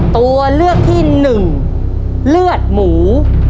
ตัวเลือกที่หนึ่งเลือดหมู